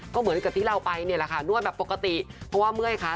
ก็เหมือนที่เราไปเนี่ยนวดปกติเพราะเมื่อยค่ะ